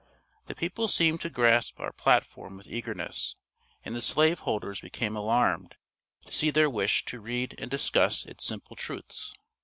The people seemed to grasp our platform with eagerness, and the slaveholders became alarmed to see their wish to read and discuss its simple truths.